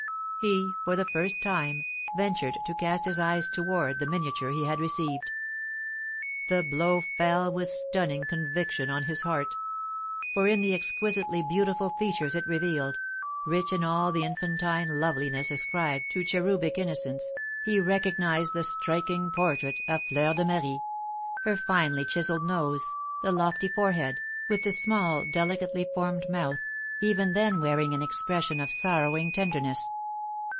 He, for the first time, ventured to cast his eyes towards the miniature he had received. The blow fell with stunning conviction on his heart; for in the exquisitely beautiful features it revealed, rich in all the infantine loveliness ascribed to cherubic innocence, he recognised the striking portrait of Fleur de Marie, her finely chiselled nose, the lofty forehead, with the small, delicately formed mouth, even then wearing an expression of sorrowing tenderness.